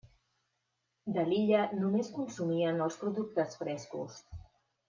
De l'illa només consumien els productes frescos.